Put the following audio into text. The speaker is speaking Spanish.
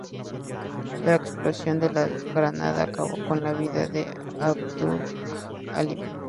La explosión de la granada acabó con la vida de Abdul-Halim.